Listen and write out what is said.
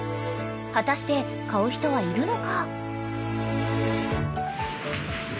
［果たして買う人はいるのか？］